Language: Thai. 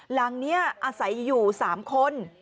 หลังนี้อาศัยอยู่๓คน